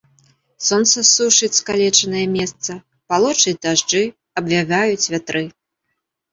Сонца сушыць скалечанае месца, палошчуць дажджы, абвяваюць вятры.